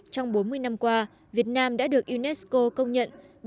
trong bốn mươi năm qua việt nam đã được unesco công nhận